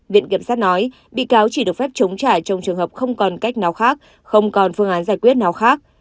viện kiểm sát nói bị cáo chỉ được phép chống trả trong trường hợp không còn cách nào khác không còn phương án giải quyết nào khác